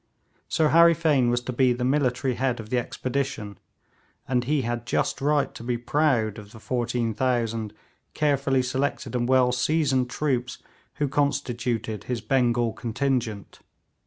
Sir Harry Fane was to be the military head of the expedition, and he had just right to be proud of the 14,000 carefully selected and well seasoned troops who constituted his Bengal contingent.